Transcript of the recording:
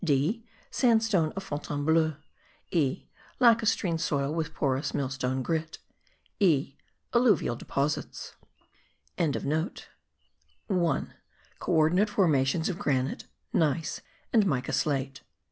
(d) Sandstone of Fontainebleau. (e) Lacustrine soil with porous millstone grit. (e) Alluvial deposits.) 1. CO ORDINATE FORMATIONS OF GRANITE, GNEISS AND MICA SLATE.